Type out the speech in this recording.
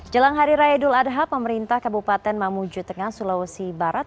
jelang hari raya dul adha pemerintah kabupaten mamuju tengah sulawesi barat